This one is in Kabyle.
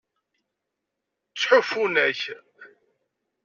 Ttḥufun-k.